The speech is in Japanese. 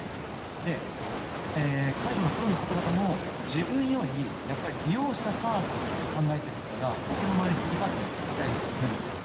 で介護のプロの方々も自分よりやっぱり利用者ファーストって考えてる方が僕の周りで今でもいたりとかするんですよ。